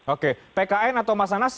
oke pkn atau mas anas